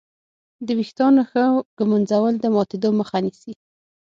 د وېښتانو ښه ږمنځول د ماتېدو مخه نیسي.